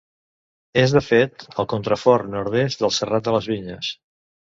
És, de fet, el contrafort nord-est del Serrat de les Vinyes.